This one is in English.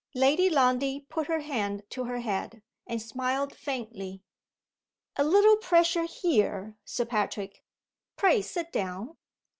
Lady Lundie put her hand to her head, and smiled faintly. "A little pressure here, Sir Patrick. Pray sit down.